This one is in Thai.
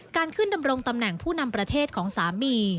ขึ้นดำรงตำแหน่งผู้นำประเทศของสามี